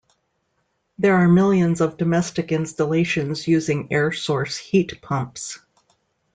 There are millions of domestic installations using air source heat pumps.